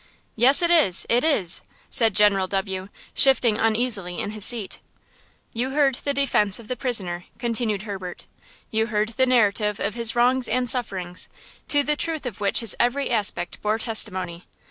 "Yes, it is! it is!" said General W., shifting uneasily in his seat. "You heard the defense of the prisoner," continued Herbert; "you heard the narrative of his wrongs and sufferings, to the truth of which his every aspect bore testimony.